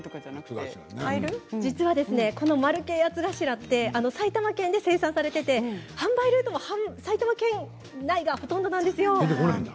実は、この丸系八つ頭って埼玉県で生産されていて販売ルートも埼玉県内がほとんどなんですよ。